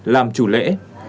làm chủ lễ